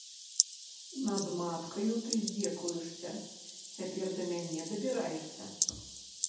Над маткаю ты здзекуешся, цяпер да мяне дабіраешся!